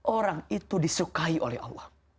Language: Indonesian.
orang itu disukai oleh allah